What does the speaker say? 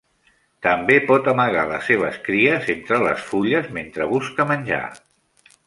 També pot amagar les seves cries entre les fulles mentre busca menjar.